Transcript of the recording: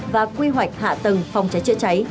và quy hoạch hạ tầng phòng cháy chữa cháy